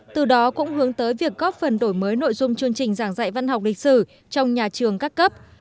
từ đó cũng hướng tới việc góp phần đổi mới nội dung chương trình giảng dạy văn học lịch sử trong nhà trường các cấp